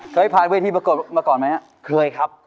เคยพาเวทีประกอบมาก่อนไหมอะเคยครับ